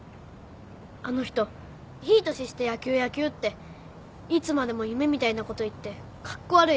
あの人いい年して野球野球っていつまでも夢みたいなこと言ってカッコ悪いし。